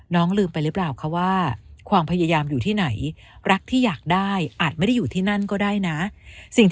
น้องลืมไปหรือเปล่าคะว่าความพยายามอยู่ที่ไหน